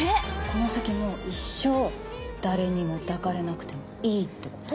この先も、一生誰にも抱かれなくてもいいってこと？